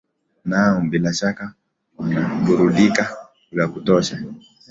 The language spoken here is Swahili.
naam na bila shaka wanaburudika vya kutosha